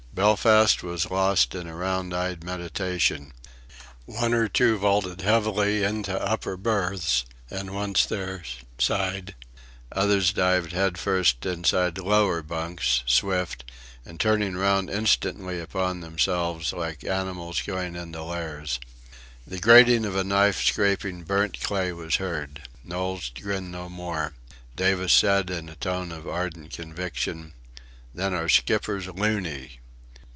Belfast was lost in a round eyed meditation. One or two vaulted heavily into upper berths, and, once there, sighed; others dived head first inside lower bunks swift, and turning round instantly upon themselves, like animals going into lairs. The grating of a knife scraping burnt clay was heard. Knowles grinned no more. Davis said, in a tone of ardent conviction: "Then our skipper's looney."